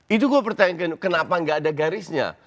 itu gue pertanyaan kenapa gak ada garisnya